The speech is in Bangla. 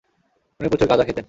উনি প্রচুর গাঁজা খেতেন।